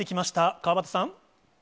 川畑さん。